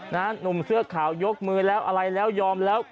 หนุ่มเสื้อขาวยกมือแล้วอะไรแล้วยอมแล้ว